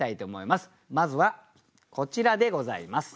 まずはこちらでございます。